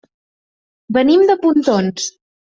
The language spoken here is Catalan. Venim de Pontons.